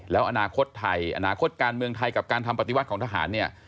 แล้วอนาคตไทยอนาคตการเมืองไทยกับการทำปฏิวัติของทหารเนี่ย